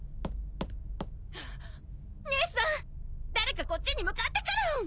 姉さん誰かこっちに向かってくる！